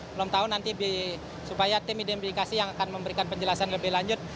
belum tahu nanti supaya tim identifikasi yang akan memberikan penjelasan lebih lanjut